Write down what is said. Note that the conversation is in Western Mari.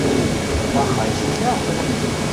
– Махань шутя?!